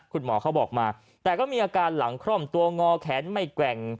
คุณหมอเขาบอกมาแต่ก็มีอาการหลังคล่อมตัวงอแขนไม่แกว่ง